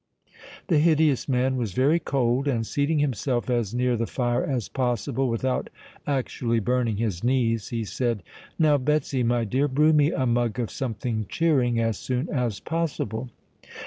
The hideous man was very cold; and, seating himself as near the fire as possible without actually burning his knees, he said, "Now, Betsy my dear, brew me a mug of something cheering as soon as possible."